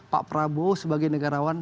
pak prabowo sebagai negarawan